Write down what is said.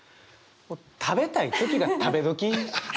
「食べたい時が食べ時」。